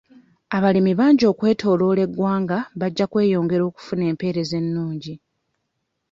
Abalimi bangi okwetooloola eggwanga bajja kweyongera okufuna empeereza ennungi.